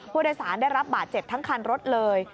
ผู้โดยสารได้รับบาดเจ็บทั้งคันรถเลย